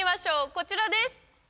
こちらです。